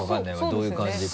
どういう感じか。